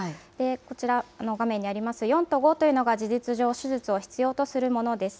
こちら、画面にあります４と５というのが、事実上、手術を必要とするものです。